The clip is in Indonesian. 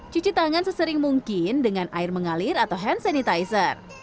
cuci tangan sesering mungkin dengan air mengalir atau hand sanitizer